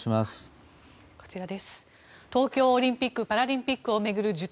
東京オリンピック・パラリンピックを巡る受諾